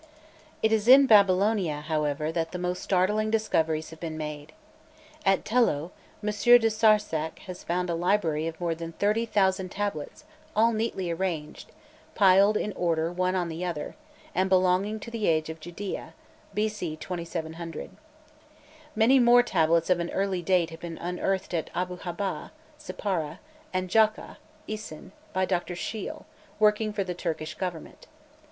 It is in Babylonia, however, that the most startling discoveries have been made. At Tello, M. de Sarzec has found a library of more than thirty thousand tablets, all neatly arranged, piled in order one on the other, and belonging to the age of Gudea (b.c. 2700). Many more tablets of an early date have been unearthed at Abu Habba (Sippara) and Jokha (Isin) by Dr. Scheil, working for the Turkish government.